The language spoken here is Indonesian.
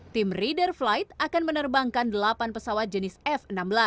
tim reader flight akan menerbangkan delapan pesawat jenis f enam belas